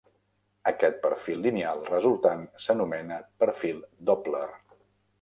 Aquest perfil lineal resultant s'anomena perfil Doppler.